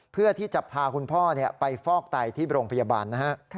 เพื่อที่จะพาคุณพ่อไปฟอกไตที่โรงพยาบาลนะฮะ